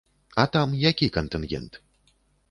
А там які кантынгент?